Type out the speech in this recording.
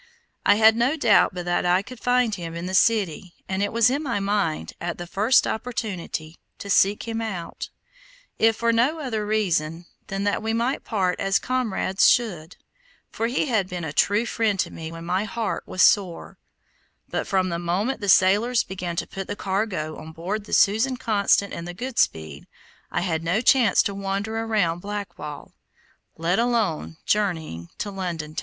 I had no doubt but that I could find him in the city, and it was in my mind, at the first opportunity, to seek him out, if for no other reason than that we might part as comrades should, for he had been a true friend to me when my heart was sore; but from the moment the sailors began to put the cargo on board the Susan Constant and the Goodspeed, I had no chance to wander around Blackwall, let alone journeying to London.